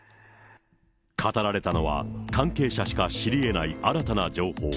語られたのは、関係者しか知りえない新たな情報。